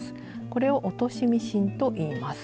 これを「落としミシン」といいます。